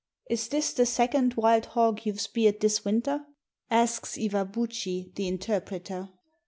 "Is this the second wild hog you've speared this winter?" asks Iwabuchi, the interpreter.